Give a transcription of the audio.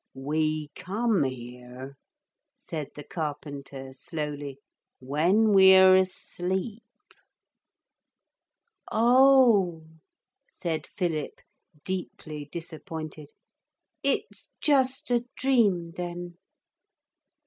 'We come here,' said the carpenter slowly, 'when we're asleep.' 'Oh!' said Philip, deeply disappointed; 'it's just a dream then?'